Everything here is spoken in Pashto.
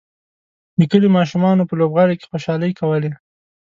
د کلي ماشومانو په لوبغالي کې خوشحالۍ کولې.